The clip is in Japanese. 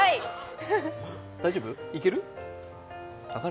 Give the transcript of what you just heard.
大丈夫、いける？